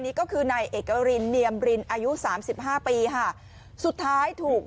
ก็คือนายเอกรินเนียมรินอายุสามสิบห้าปีค่ะสุดท้ายถูก